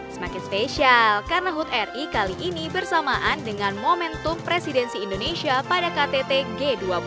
semakin spesial karena hut ri kali ini bersamaan dengan momentum presidensi indonesia pada ktt g dua puluh